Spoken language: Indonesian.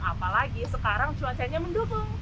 apalagi sekarang cuacanya mendukung